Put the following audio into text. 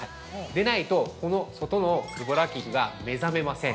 でないと、この外のズボラ筋が目覚めません。